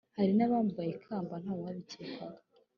hari n’abambaye ikamba nta wabikekaga